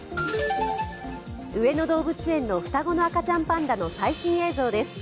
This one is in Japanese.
上野動物園の双子の赤ちゃんパンダの最新映像です。